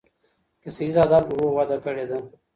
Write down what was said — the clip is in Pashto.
کیسه ییز ادب ورو وده کړې ده.